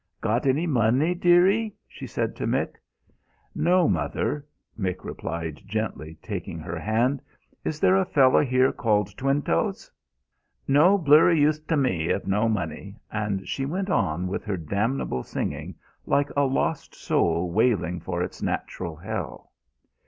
"Got any money, dearie?" she said to Mick. "No, mother," Mick replied, gently taking her hand. "Is there a fellow here called Twinetoes?" "No blurry use t'me if no money," and she went on with her damnable singing, like a lost soul wailing for its natural hell.